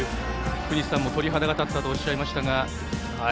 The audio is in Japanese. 福西さんも鳥肌が立ったとおっしゃいました。